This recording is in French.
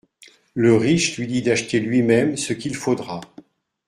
Le riche lui dit d'acheter lui-même ce qu'il faudra.